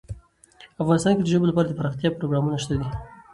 افغانستان کې د ژبو لپاره دپرمختیا پروګرامونه شته دي.